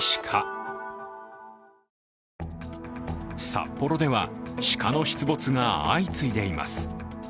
札幌では鹿の出没が相次いでいます。